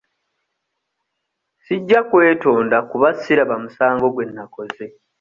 Sijja kwetonda kuba siraba musango gwe nnakoze.